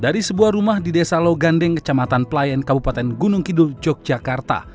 dari sebuah rumah di desa logandeng kecamatan pelayan kabupaten gunung kidul yogyakarta